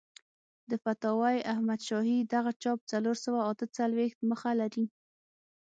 د فتاوی احمدشاهي دغه چاپ څلور سوه اته څلوېښت مخه لري.